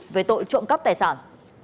về tội trộm cắp tài sản